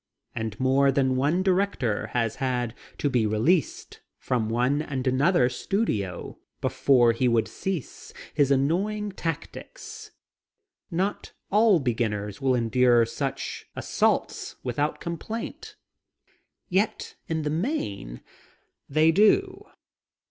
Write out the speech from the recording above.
And more than one director has had to be released from one and another studio before he would cease his annoying tactics. Not all beginners will endure such assaults without complaint. Yet in the main they do.